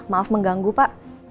maaf mengganggu pak